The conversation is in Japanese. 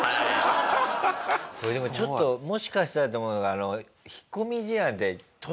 でもちょっともしかしたらって思うのが。